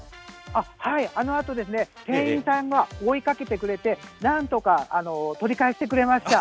はい、あのあとですね、店員さんが追いかけてくれて、なんとか取り返してくれました。